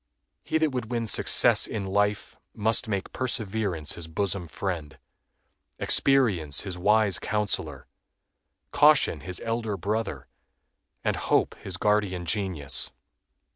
He that would win success in life must make Perseverance his bosom friend, Experience his wise counselor, Caution his elder brother, and Hope his guardian genius.